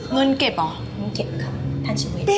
เงินเก็บหรอ